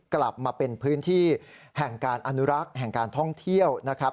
กลับมาเป็นพื้นที่แห่งการอนุรักษ์แห่งการท่องเที่ยวนะครับ